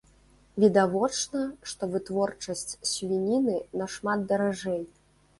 Відавочна, што вытворчасць свініны нашмат даражэй.